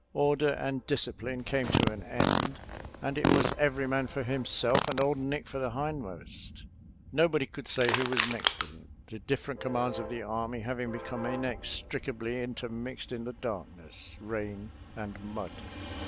Or der and discipline came to an end, and it was " every man for himself and old Nick for the hindmost." Nobody could say who was next to him, the different commands of the army having be come inextricably intermixed in the darkness, rain and mud.